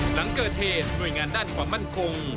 หลังเกิดเหตุหน่วยงานด้านความมั่นคง